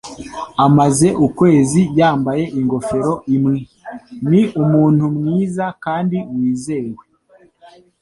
Amaze ukwezi yambaye ingofero imwe. Ni umuntu mwiza kandi wizewe.